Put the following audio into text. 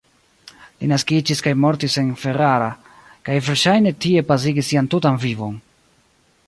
Li naskiĝis kaj mortis en Ferrara, kaj verŝajne tie pasigis sian tutan vivon.